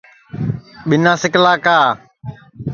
ٻینا سکلا کا